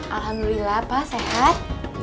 alhamdulillah pak sehat